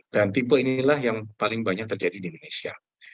dan tipe inilah yang paling banyak terjadi di indonesia